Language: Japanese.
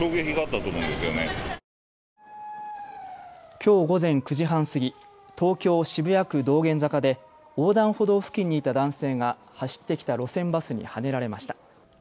きょう午前９時半過ぎ、東京渋谷区道玄坂で横断歩道付近にいた男性が走ってきた路線バスにはねられました。